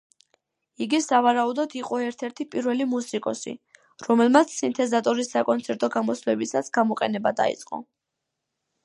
იგი სავარაუდოდ, იყო ერთ-ერთი პირველი მუსიკოსი, რომელმაც სინთეზატორის საკონცერტო გამოსვლებისას გამოყენება დაიწყო.